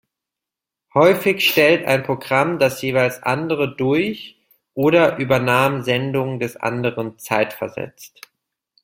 Häufig stellte ein Programm das jeweils andere durch, oder übernahm Sendungen des anderen zeitversetzt.